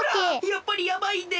やっぱりやばいで！